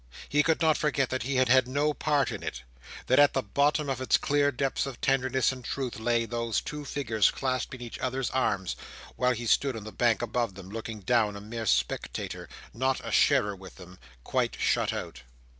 He could not forget that he had had no part in it. That, at the bottom of its clear depths of tenderness and truth lay those two figures clasped in each other's arms, while he stood on the bank above them, looking down a mere spectator—not a sharer with them—quite shut out.